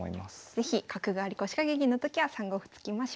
是非角換わり腰掛け銀のときは３五歩突きましょう。